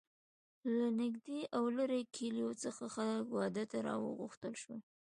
له نږدې او لرې کلیو څخه خلک واده ته را وغوښتل شول.